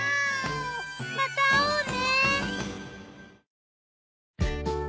また会おうね。